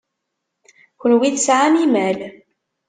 Kenwi tesɛam imal.